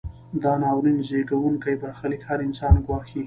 دا ناورین زیږوونکی برخلیک هر انسان ګواښي.